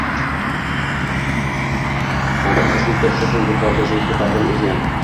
mantiqsizlik darajasini yuqori darajaga ko‘tardin o'ziyam